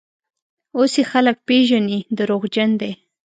اوس یې خلک پېژني: دروغجن دی.